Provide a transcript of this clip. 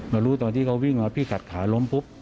มารู้ตอนที่เขาวิ่งมาพี่กัดขาล้มปุ๊บ